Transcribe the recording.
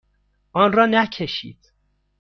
آن را نکشید.